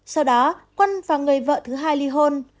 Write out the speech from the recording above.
sau đó quân và người vợ thứ hai ly hôn